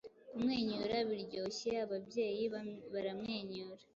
Kumwenyura biryoshye Ababyeyi baramwenyura,